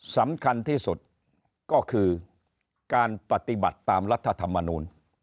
สำคัญที่สุดก็คือการปฏิบัติตามรัฐธรรมนูล